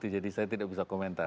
saya tidak bisa komentar